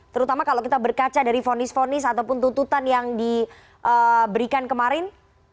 terutama kalau kita berkaca dari fonis fonis ataupun tuntutan yang diberikan kemarin